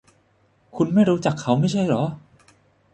คุณไม่รู้จักเขาไม่ใช่หรอ ?